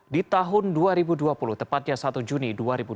di tahun dua ribu dua puluh tepatnya satu juni dua ribu dua puluh